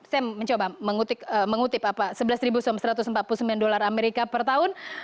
saya mencoba mengutip apa sebelas satu ratus empat puluh sembilan dolar amerika per tahun